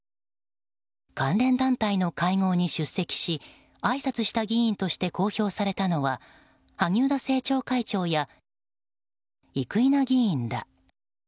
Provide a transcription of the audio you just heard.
関連団体の会合に出席しあいさつした議員として公表されたのは萩生田政調会長や生稲議員ら。